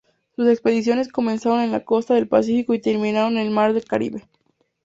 Sus expediciones comenzaron en la Costa del Pacífico y terminaron en el Mar Caribe.